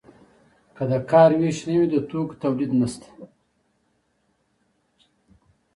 که د کار ویش نه وي د توکو تولید نشته.